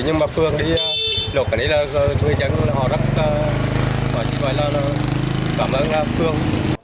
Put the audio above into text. nhưng mà phương đi lột cái này là người dân họ rất cảm ơn phương